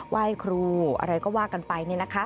ว่าให้ครูอะไรก็ว่ากันไปเนี่ยนะคะ